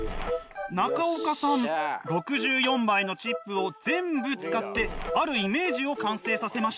中岡さん６４枚のチップを全部使ってあるイメージを完成させました。